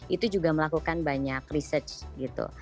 itu juga melakukan banyak research gitu